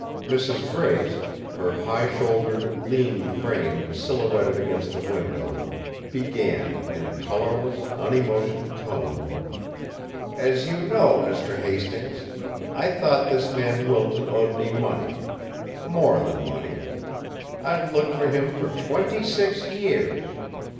Mrs. Brace, her high shouldered, lean frame silhouetted against the window, began, in a colourless, unemotioned tone: "As you know, Mr. Hastings, I thought this man Wilton owed me money, more than money. I'd looked for him for twenty six years.